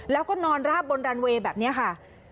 แล้วก็นอนราบบนรันเวย์แบบนี้ค่ะ